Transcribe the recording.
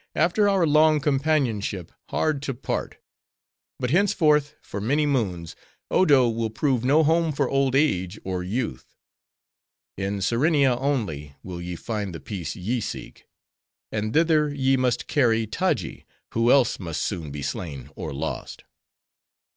after our long companionship, hard to part! But henceforth, for many moons, Odo will prove no home for old age, or youth. In Serenia only, will ye find the peace ye seek; and thither ye must carry Taji, who else must soon be slain, or lost.